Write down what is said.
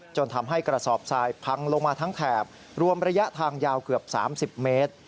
จนทำให้กระสอบทรายพังลงมาทั้งแถบรวมระยะทางยาวเกือบ๓๐เมตร